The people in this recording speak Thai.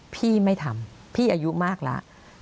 พี่ไม่ทำพี่อายุมากแล้ว